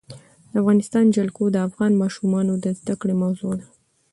د افغانستان جلکو د افغان ماشومانو د زده کړې موضوع ده.